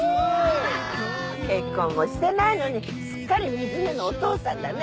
結婚もしてないのにすっかり水根のお父さんだね。